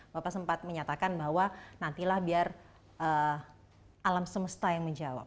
bapak sempat menyatakan bahwa nantilah biar alam semesta yang menjawab